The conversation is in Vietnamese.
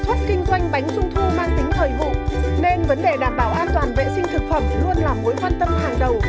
xuất kinh doanh bánh trung thu mang tính thời vụ nên vấn đề đảm bảo an toàn vệ sinh thực phẩm luôn là